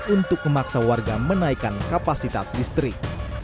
untuk memaksa warga menaikkan kapasitas listrik